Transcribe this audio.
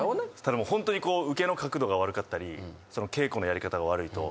ホントにこう受けの角度が悪かったり稽古のやり方が悪いと。